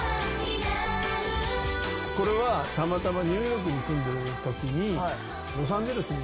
これはたまたまニューヨークに住んでるときに。